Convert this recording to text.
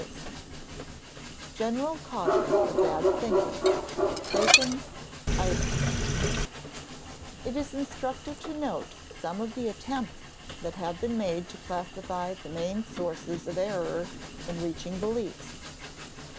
[Sidenote: General causes of bad thinking: Bacon's "idols"] It is instructive to note some of the attempts that have been made to classify the main sources of error in reaching beliefs.